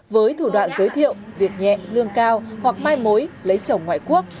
với thủ đoạn giới thiệu việc nhẹ lương cao hoặc mai mối lấy chồng ngoại quốc